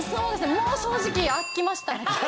もう正直飽きましたね。